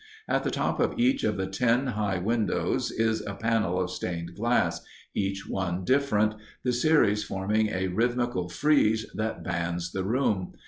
At the top of each of the ten high windows is a panel of stained glass, each one different, the series forming a rhythmical frieze that bands the room.